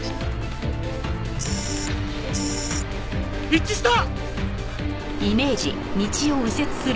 一致した！